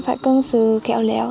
phải cân xứ kẹo léo